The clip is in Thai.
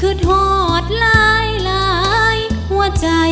เกิดเสียแฟนไปช่วยไม่ได้นะ